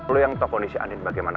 lo yang tahu kondisi andin bagaimana